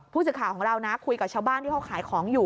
ผู้สื่อข่าวของเรานะคุยกับชาวบ้านที่เขาขายของอยู่